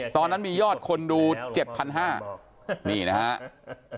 ตอนนั้นมียอดคนดู๗๕๐๐นี่นะครับ